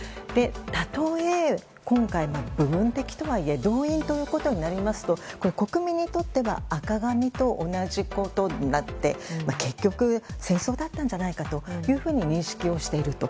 たとえ今回、部分的とはいえ動員ということになりますと国民にとっては赤紙と同じことになって結局、戦争だったんじゃないかと認識していると。